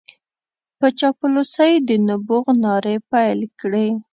په چاپلوسۍ د نبوغ نارې پېل کړې.